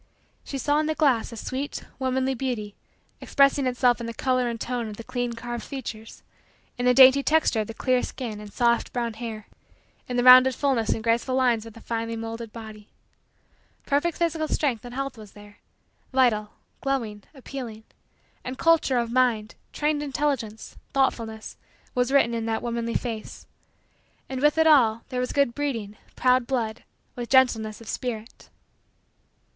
She saw in the glass, a sweet, womanly, beauty, expressing itself in the color and tone of the clean carved features; in the dainty texture of the clear skin and soft, brown, hair; and in the rounded fullness and graceful lines of the finely moulded body. Perfect physical strength and health was there vital, glowing, appealing. And culture of mind, trained intelligence, thoughtfulness, was written in that womanly face. And, with it all, there was good breeding, proud blood, with gentleness of spirit.